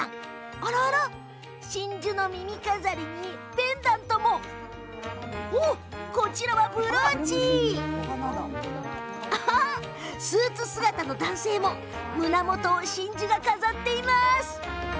あらあら真珠の耳飾りにペンダントもこちら、ブローチスーツ姿の男性も真珠が胸元を飾っています。